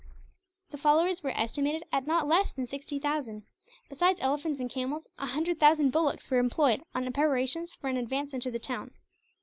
The followers were estimated at not less than sixty thousand. Besides elephants and camels, a hundred thousand bullocks were employed on preparations for an advance into the town.